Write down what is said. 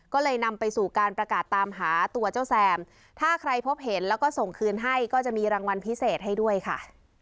ก็เลยนำไปสู่การประกาศตามหาตัวเจ้าแซมถ้าใครพบเห็นแล้วก็ส่งคืนให้ก็จะมีรางวัลพิเศษให้ด้วยค่ะ